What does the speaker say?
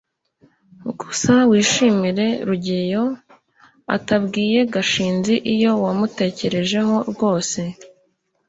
gusa wishimire rugeyo atabwiye gashinzi icyo wamutekerejeho rwose